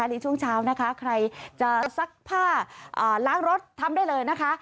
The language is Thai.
ในช่วงเช้านะคะใครจะซักผ้าล้างรถทำได้เลยนะคะ